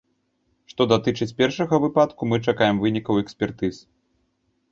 Што датычыць першага выпадку, мы чакаем вынікаў экспертыз.